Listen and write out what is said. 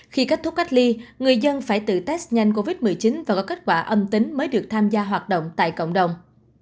khi kết thúc cách ly người dân phải tự test nhanh covid một mươi chín và có kết quả âm tính mới được tham gia hoạt động tại cộng đồng